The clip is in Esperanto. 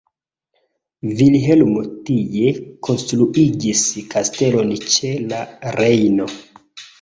Vilhelmo tie konstruigis kastelon ĉe la Rejno.